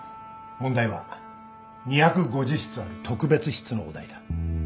問題は２５０室ある特別室のお題だ。